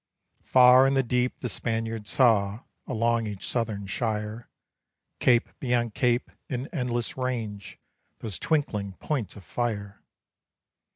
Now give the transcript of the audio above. Far on the deep the Spaniard saw, along each southern shire, Cape beyond cape, in endless range, those twinkling points of fire.